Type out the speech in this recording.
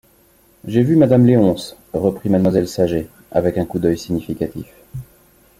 J’ai vu madame Léonce, reprit mademoiselle Saget, avec un coup d’œil significatif.